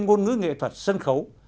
ngôn ngữ nghệ thuật sân khấu